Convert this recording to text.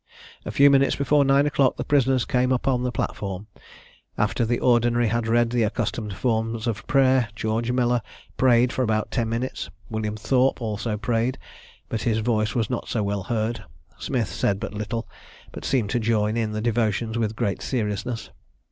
A few minutes before nine o'clock the prisoners came upon the platform. After the ordinary had read the accustomed forms of prayer, George Mellor prayed for about ten minutes, William Thorp also prayed; but his voice was not so well heard. Smith said but little, but seemed to join in the devotions with great seriousness.